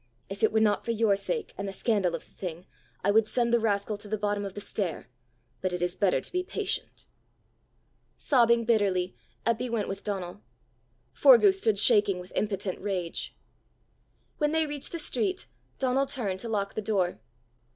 If it were not for your sake, and the scandal of the thing, I would send the rascal to the bottom of the stair. But it is better to be patient." Sobbing bitterly, Eppy went with Donal. Forgue stood shaking with impotent rage. When they reached the street, Donal turned to lock the door.